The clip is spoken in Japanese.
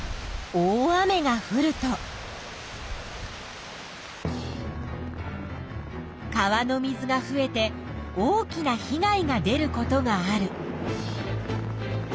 大雨がふると川の水が増えて大きな被害が出ることがある。